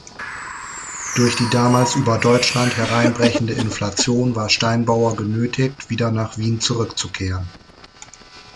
Durch die damals über Deutschland hereinbrechende Inflation war Steinbauer genötigt, wieder nach Wien zurückzukehren.